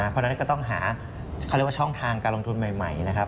เพราะฉะนั้นก็ต้องหาช่องทางการลงทุนใหม่นะครับ